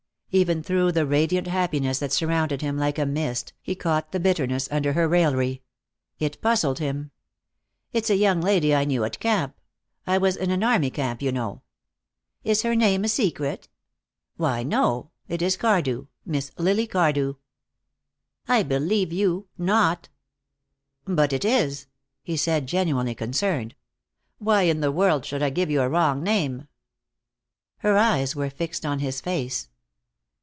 Even through the radiant happiness that surrounded him like a mist, he caught the bitterness under her raillery. It puzzled him. "It's a young lady I knew at camp. I was in an army camp, you know." "Is her name a secret?" "Why, no. It is Cardew. Miss Lily Cardew." "I believe you not." "But it is," he said, genuinely concerned. "Why in the world should I give you a wrong name?" Her eyes were fixed on his face.